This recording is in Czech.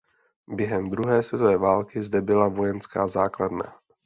Během druhé světové války zde byla vojenská základna.